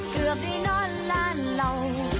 เกือบได้นอนร้านเรา